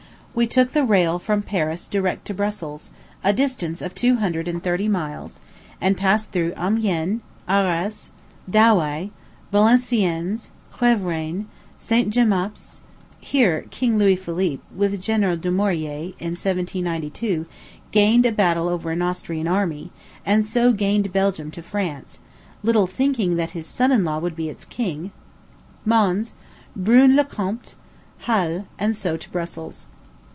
We took the rail from Paris direct to Brussels, a distance of two hundred and thirty miles, and passed through Amiens, Arras, Douai, Valenciennes, Quievrain, St. Jemappes, here King Louis Philippe, with General Dumourier, in 1792, gained a battle over an Austrian army, and so gained Belgium to France, little thinking that his son in law would be its king, Mons, Bruin le Compte, Halle, and so to Brussels.